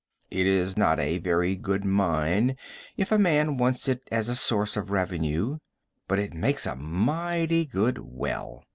It is not a very good mine if a man wants it as a source of revenue, but it makes a mighty good well.